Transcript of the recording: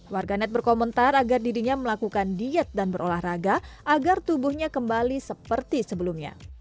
warganet berkomentar agar dirinya melakukan diet dan berolahraga agar tubuhnya kembali seperti sebelumnya